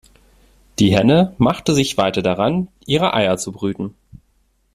Die Henne machte sich weiter daran, ihre Eier zu brüten.